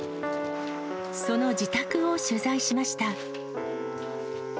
その自宅を取材しました。